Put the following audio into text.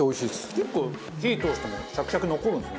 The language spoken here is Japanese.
結構火通してもシャキシャキ残るんですね。